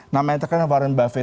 namanya terkenal warren buffett